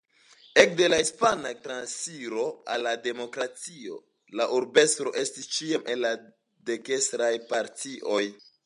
Ekde la Hispana transiro al la demokratio la urbestro estis ĉiam el dekstraj partioj.